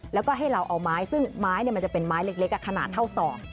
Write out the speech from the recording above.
แล้วก็ให้เราเอาไม้ซึ่งไม้มันจะเป็นไม้เล็กขนาดเท่าศอก